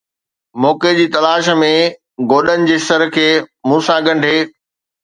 موقعي جي تلاش ۾ گوڏن جي سر کي مون سان ڳنڍي